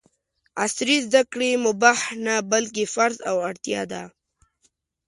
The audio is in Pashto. عصري زده کړې مباح نه ، بلکې فرض او اړتیا ده!